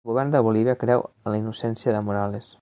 El govern de Bolívia creu en la innocència de Morales